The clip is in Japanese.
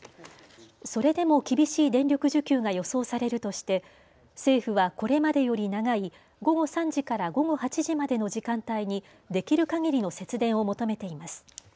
それでも厳しい電力需給が予想されるとして政府はこれまでより長い午後３時から午後８時までの時間帯にできるかぎりの節電を求めています。